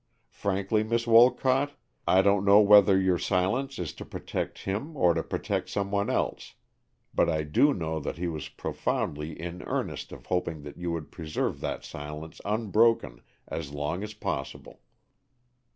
Frankly, Miss Wolcott, I don't know whether your silence is to protect him or to protect some one else, but I do know that he was profoundly in earnest in hoping that you would preserve that silence unbroken as long as possible."